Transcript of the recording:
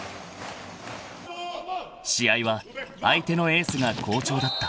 ［試合は相手のエースが好調だった］